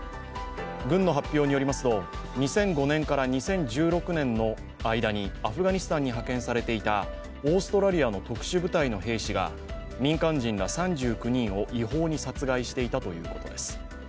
軍の発表によりますと、２００５年から２０１６年の間にアフガニスタンに派遣されていたオーストラリアの特殊部隊の兵士が民間人ら３９人を違法に殺害していたということです。